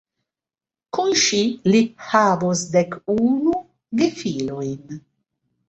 Kun ŝi li havos dek unu gefilojn.